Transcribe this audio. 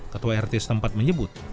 ketua rt setempat menyebut